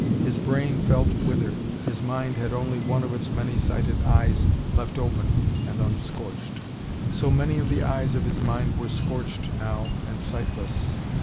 His brain felt withered, his mind had only one of its many sighted eyes left open and unscorched. So many of the eyes of his mind were scorched now and sightless.